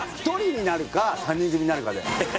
１人になるか３人組になるかで。